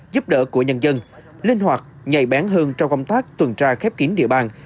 giúp đỡ của nhân dân linh hoạt nhạy bén hơn trong công tác tuần tra khép kín địa bàn